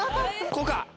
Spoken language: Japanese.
こうか？